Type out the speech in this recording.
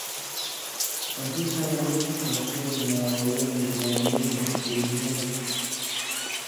آں ݜُو شاناں مُتیۡ قصیُوں، ناولؤں، ڈرامیُوں آں فِلمؤں،